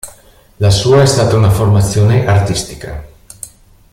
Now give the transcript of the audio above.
La sua è stata una formazione artistica.